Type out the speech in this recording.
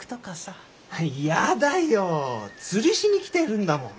やだよ釣りしに来てるんだもん。